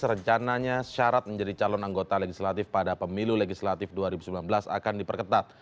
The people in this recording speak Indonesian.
rencananya syarat menjadi calon anggota legislatif pada pemilu legislatif dua ribu sembilan belas akan diperketat